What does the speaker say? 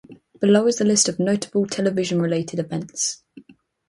Below is a list of notable television-related events.